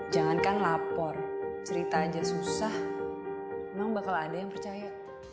jangankan lapor cerita aja susah memang bakal ada yang percaya